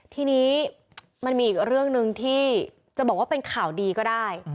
ทีนี้มันมีอีกเรื่องหนึ่งที่จะบอกว่าเป็นข่าวดีก็ได้